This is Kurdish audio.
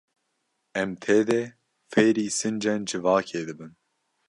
Em tê de, fêrî sincên civakê dibin.